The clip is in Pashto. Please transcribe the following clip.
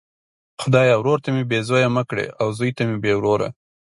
خدایه ورور ته مي بې زویه مه کړې او زوی ته بې وروره!